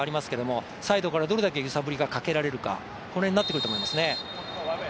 多分、小見、角がサイドからどれだけ揺さぶりがかけられるか、この辺になってくるかなと思いますね。